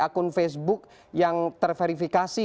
akun facebook yang terverifikasi